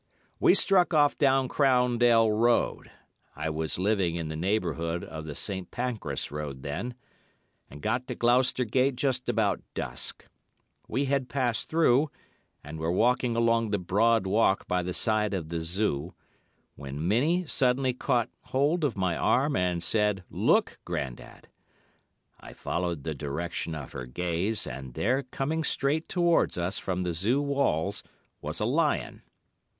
"We struck off down Crowndale Road—I was living in the neighbourhood of the St. Pancras Road then—and got to Gloucester Gate just about dusk. We had passed through, and were walking along the Broad Walk by the side of the Zoo, when Minnie suddenly caught hold of my arm, and said, 'Look, Grandad!' I followed the direction of her gaze, and there coming straight towards us from the Zoo walls was a lion.